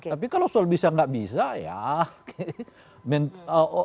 tapi kalau soal bisa atau tidak bisa ya